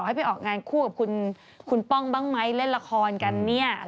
ให้ไปออกงานคู่กับคุณป้องบ้างไหมเล่นละครกันเนี่ย